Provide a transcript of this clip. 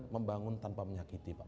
membangun tanpa menyakiti